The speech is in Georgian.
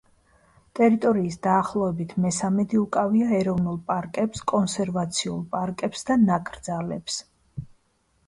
ტერიტორიის დაახლოებით მესამედი უკავია ეროვნულ პარკებს, კონსერვაციულ პარკებს და ნაკრძალებს.